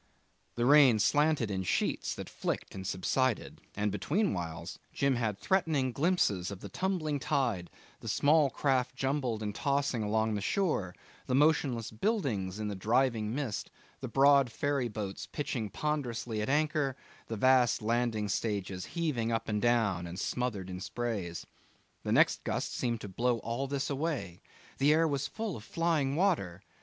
The rain slanted in sheets that flicked and subsided, and between whiles Jim had threatening glimpses of the tumbling tide, the small craft jumbled and tossing along the shore, the motionless buildings in the driving mist, the broad ferry boats pitching ponderously at anchor, the vast landing stages heaving up and down and smothered in sprays. The next gust seemed to blow all this away. The air was full of flying water.